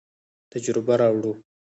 تجربه راوړو.